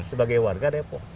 sebagai warga depok